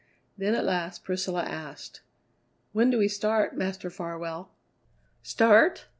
Then at last Priscilla asked: "When do we start, Master Farwell?" "Start?